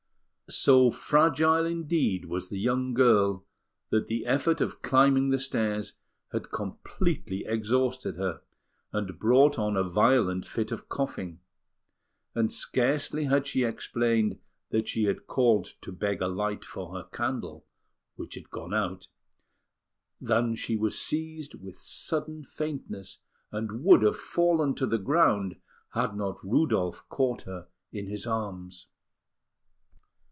So fragile, indeed, was the young girl, that the effort of climbing the stairs had completely exhausted her and brought on a violent fit of coughing; and scarcely had she explained that she had called to beg a light for her candle, which had gone out, than she was seized with sudden faintness, and would have fallen to the ground had not Rudolf caught her in his arms.